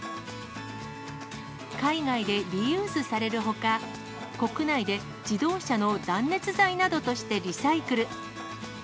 海外でリユースされるほか、国内で自動車の断熱材などとしてリサイクル。